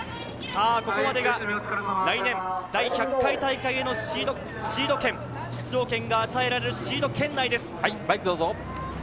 ここまでが来年第１００回大会へのシード権、出場権が与えられるバイク、どうぞ。